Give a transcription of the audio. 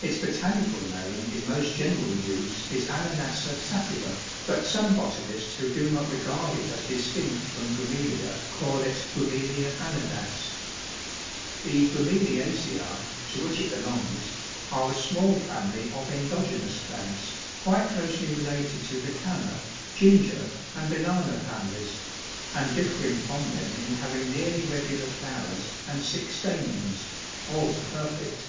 Its botanical name in most general use is Ananassa sativa, but some botanists who do not regard it as distinct from Bromelia, call it B. ananas. The Bromeliaceæ, to which it belongs, are a small family of endogenous plants, quite closely related to the canna, ginger, and banana families, and differing from them in having nearly regular flowers and six stamens, all perfect.